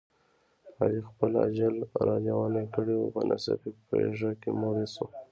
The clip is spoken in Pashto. علي خپل اجل را لېونی کړی و، په ناڅاپي پېښه کې مړ شو.